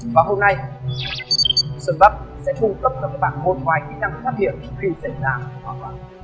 và hôm nay sơn vấp sẽ phung cấp cho các bạn môn ngoài kỹ năng phát hiện khi dành giá hoạt hoạt